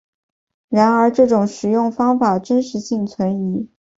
然而这种食用方法真实性存疑。